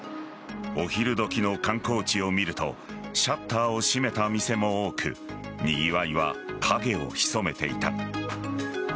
お昼どきの観光地を見るとシャッターを閉めた店も多くにぎわいは影を潜めていた。